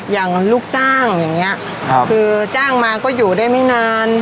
อย่างลูกจ้างอย่างนี้คือจ้างมาก็อยู่ได้ไม่นาน